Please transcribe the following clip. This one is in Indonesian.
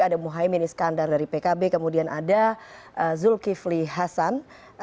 ada mohaimin iskandar dari pkb kemudian ada zulkifli hasan